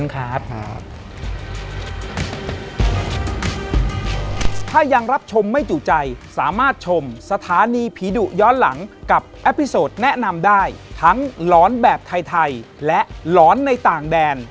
กับอัพโพสต์แนะนำได้ทั้งหลอนแบบไทยและหลอนในต่างแดน